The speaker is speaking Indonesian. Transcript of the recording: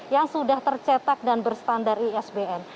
yang sudah tercetak dan berstandar isbn